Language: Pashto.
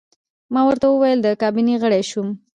ما ورته وویل: د کابینې غړی شوم.